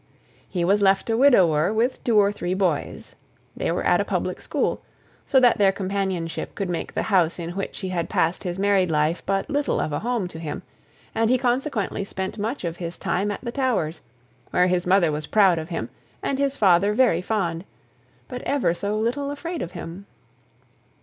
He was left a widower with two or three boys. They were at a public school; so that their companionship could make the house in which he had passed his married life but little of a home to him, and he consequently spent much of his time at the Towers; where his mother was proud of him, and his father very fond, but ever so little afraid of him.